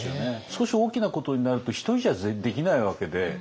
少し大きなことになると一人じゃできないわけで。